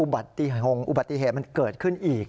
อุบัติฮงอุบัติเหตุมันเกิดขึ้นอีก